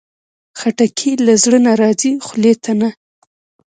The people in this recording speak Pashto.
خټکی له زړه نه راځي، خولې ته نه.